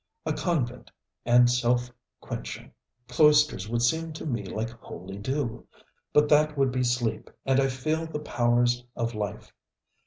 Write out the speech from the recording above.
A convent and self quenching; cloisters would seem to me like holy dew. But that would be sleep, and I feel the powers of life.